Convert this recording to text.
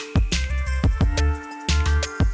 terima kasih pak